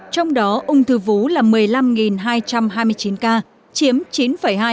trong đó ung thư vú là một trong những khối u mà chị em chưa thể sờ thấy